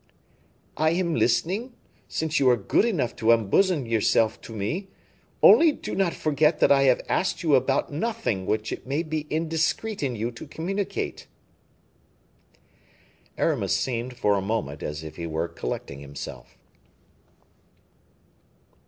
"I am listening, since you are good enough to unbosom yourself to me; only do not forget that I have asked you about nothing which it may be indiscreet in you to communicate." Aramis seemed, for a moment, as if he were collecting himself.